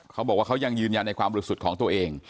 เขาบอกว่าเขายังยืนยันในความบริสุทธิ์ของตัวเอง